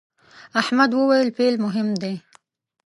احمد وويل: پیل مهم دی.